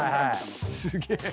すげえ。